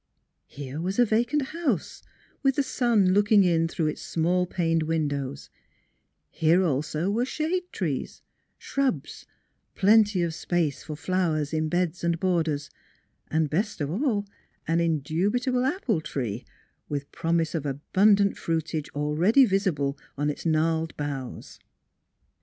Here was a vacant house, with the sun looking in through its small paned windows; here also were shade trees, shrubs, 130 NEIGHBORS plenty of space for flowers in beds and borders, and best of all an indubitable apple tree with promise of abundant fruitage already visible on its gnarled boughs.